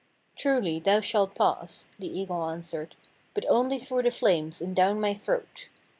'Truly thou shalt pass,' the Eagle answered, 'but only through the flames and down my throat.'